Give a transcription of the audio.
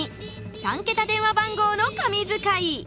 ３桁電話番号の神図解